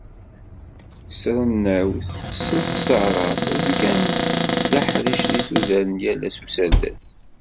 S trennawt, s lexsara, zgant d aḥric deg tudert n yal ass userdas.